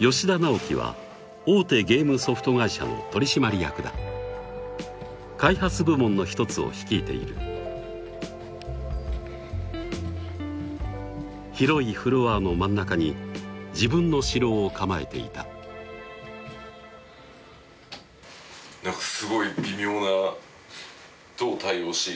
吉田直樹は大手ゲームソフト会社の取締役だ開発部門の一つを率いている広いフロアの真ん中に自分の城を構えていたお疲れです